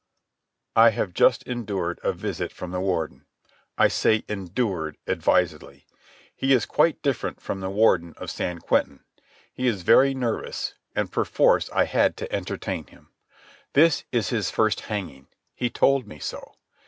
... I have just endured a visit from the Warden. I say "endured" advisedly. He is quite different from the Warden of San Quentin. He was very nervous, and perforce I had to entertain him. This is his first hanging. He told me so.